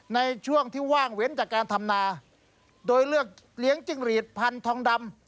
ในช่วงที่ว่างเว้นจากการทำนาโดยเลือกเลี้ยงจิ้งหลีดพันธองดำ